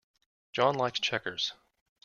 John likes checkers.